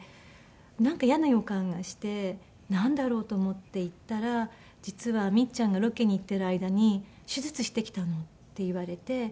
なんか嫌な予感がしてなんだろうと思って行ったら「実はみっちゃんがロケに行ってる間に手術してきたの」って言われて。